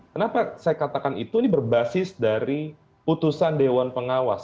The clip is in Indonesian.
kenapa saya katakan itu ini berbasis dari putusan dewan pengawas